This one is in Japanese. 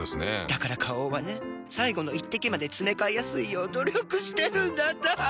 だから花王はね最後の一滴までつめかえやすいよう努力してるんだって。